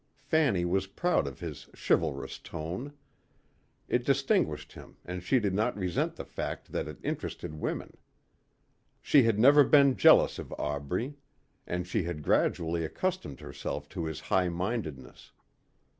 Fanny was proud of his chivalrous tone. It distinguished him and she did not resent the fact that it interested women. She had never been jealous of Aubrey. And she had gradually accustomed herself to his high mindedness.